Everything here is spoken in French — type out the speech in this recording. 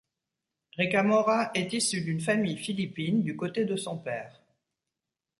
Ricamora est issu d'une famille philippine du côté de son père.